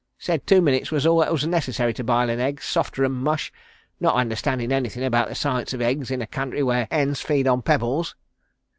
Said two minutes was all that was necessary to bile an egg softer'n mush, not understanding anything about the science of eggs in a country where hens feeds on pebbles."